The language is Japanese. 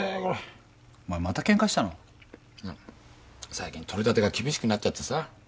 最近取り立てが厳しくなっちゃってさ。